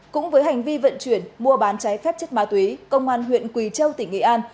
cũng với hành vi vận chuyển mua bán cháy phép chất ma túy công an huyện quỳ châu tỉnh nghệ an